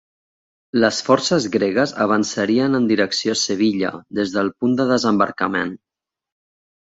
Les forces gregues avançarien en direcció a Sevilla, des del punt de desembarcament.